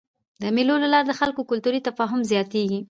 د مېلو له لاري د خلکو کلتوري تفاهم زیاتېږي.